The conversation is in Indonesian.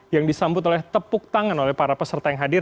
yang disambut oleh tepuk tangan oleh para peserta yang hadir